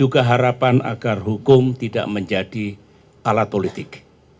keharapan agar hukum tidak menjadi alat politik